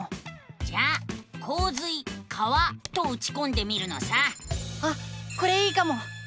じゃあ「こう水川」とうちこんでみるのさ。あっこれいいかも。